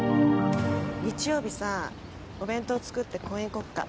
日曜日さぁお弁当作って公園行こうか？